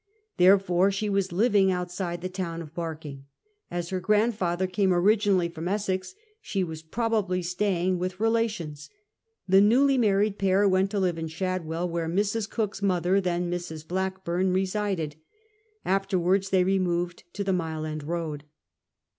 Therefore she was living outside the town of Barking. As her grandfather came originally from Essex, she was probably staying with relations. The newly married pair went to live in Shad well, where Mrs. Cook's mother, then Mrs. Blackburn, resided. Afterwards they removed to the Mile End Bead.